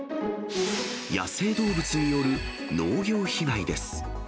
野生動物による農業被害です。